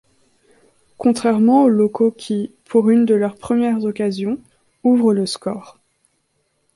Contrairement aux locaux qui, pour une de leurs premières occasions, ouvrent le score.